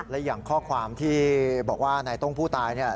และอย่างข้อความที่บอกว่านายต้งผู้ตาย